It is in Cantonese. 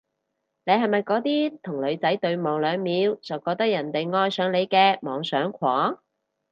你係咪嗰啲同女仔對望兩秒就覺得人哋愛上你嘅妄想狂？